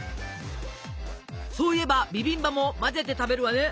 そういえばビビンバも混ぜて食べるわね。